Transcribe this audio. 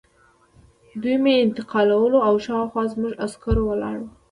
دوی مې انتقالول او شاوخوا زموږ عسکر ولاړ وو